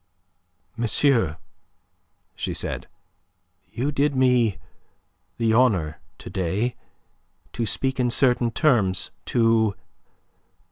"Monsieur," she said, "you did me the honour to day to speak in certain terms; to...